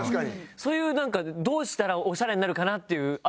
そういうなんかどうしたらオシャレになるかなっていう。